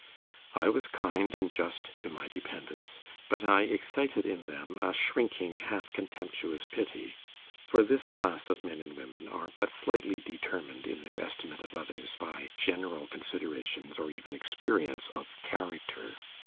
I was kind and just to my dependants, but I excited in them a shrinking, half contemptuous pity; for this class of men and women are but slightly determined in their estimate of others by general considerations, or even experience, of character.